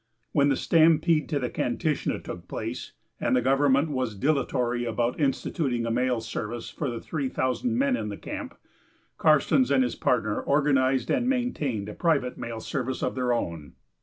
When the stampede to the Kantishna took place, and the government was dilatory about instituting a mail service for the three thousand men in the camp, Karstens and his partner organized and maintained a private mail service of their own.